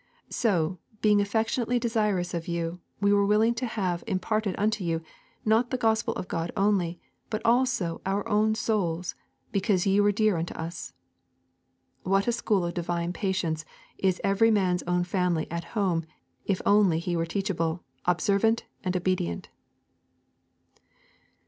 So, being affectionately desirous of you, we were willing to have imparted unto you, not the gospel of God only, but also our own souls, because ye were dear unto us.' What a school of divine patience is every man's own family at home if he only were teachable, observant, and obedient!